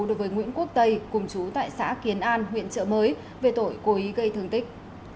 đối với nguyễn quốc tây cùng chú tại xã kiến an huyện trợ mới về tội cố ý gây thương tích